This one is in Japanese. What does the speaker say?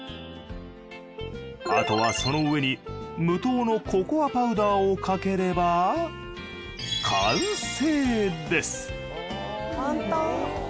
あとはその上に無糖のココアパウダーをかければ完成です簡単。